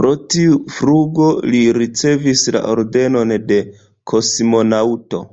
Pro tiu flugo li ricevis la Ordenon de kosmonaŭto.